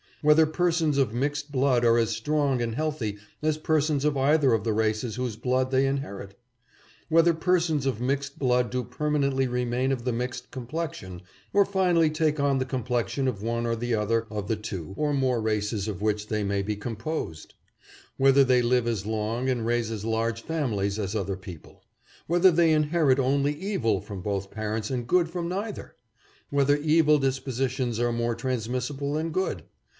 Whether persons of mixed blood are as strong and healthy as persons of either of the races whose blood they inherit ? Whether persons of mixed blood do per manently remain of the mixed complexion or finally take on the complexion of one or the other of the two or 622 THE RACE PROBLEM. more races of which they may be composed ? Whether they live as long and raise as large families as other peo ple ? Whether they inherit only evil from both parents and good from neither ? Whether evil dispositions are more transmissible than good